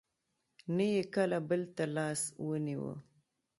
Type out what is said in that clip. نه یې کله بل ته لاس ونېوه.